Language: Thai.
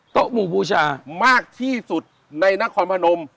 หมู่บูชามากที่สุดในนครพนม